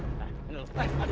apa salah saya ini